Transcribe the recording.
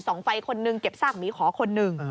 สองคนนึงเก็บซากหมีขอคนหนึ่ง